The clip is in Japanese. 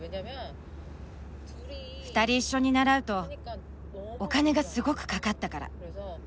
２人一緒に習うとお金がすごくかかったから。